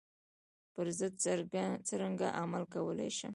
پر ضد څرنګه عمل کولای شم.